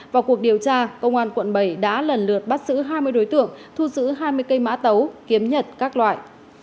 vào cuộc điều tra công an quận bảy đã lần lượt bắt xử hai mươi đối tượng thu giữ hai mươi cây mã tấu kiếm nhật các loại